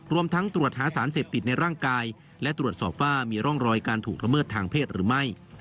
รวมทั้งตรวจหาสารเสพติดในร่างกายและตรวจสอบว่ามีร่องรอยการถูกละเมิดทางเพศหรือไม่